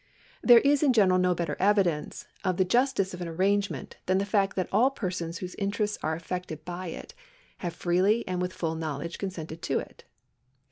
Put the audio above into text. There is in general no better evidence of the justice of an arrangement than the fact that all persons whose interests are affected by it have freely and with full knowledge con sented to it.